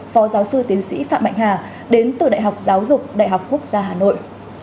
phó giáo sư tiến sĩ phạm mạnh hà đến từ đại học giáo dục đại học quốc gia hà nội